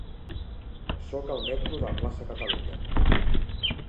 Soc al metro de Plaça Catalunya.